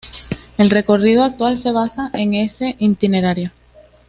El recorrido actual se basa en ese itinerario.